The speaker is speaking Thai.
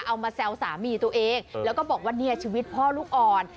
มาแซวสามีตัวเองแล้วก็บอกว่าเนี่ยชีวิตพ่อลูกอ่อน